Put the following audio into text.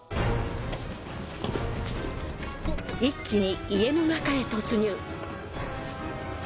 一気に家の中へ突入。